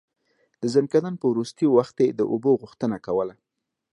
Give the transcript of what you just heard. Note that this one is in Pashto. د ځنکدن په وروستی وخت يې د اوبو غوښتنه کوله.